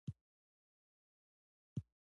احمده! پام کوه؛ ادم خان تر پام ګوروان درځي!